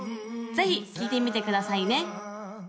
ぜひ聴いてみてくださいね